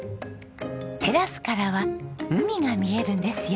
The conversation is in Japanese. テラスからは海が見えるんですよ。